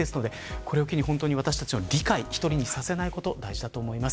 これを機に本当に私たちも理解１人にさせないこと大事だと思います。